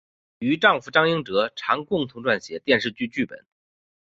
与丈夫张英哲常共同撰写电视剧剧本。